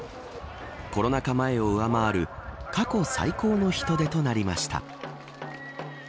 コロナ禍前を上回る過去最高の人出となりました。